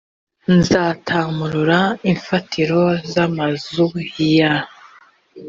nzatamurura imfatiro z’amazu ya